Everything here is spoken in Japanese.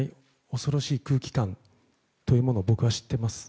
恐ろしい空気感というものを僕は知っています。